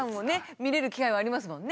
見れる機会はありますもんね。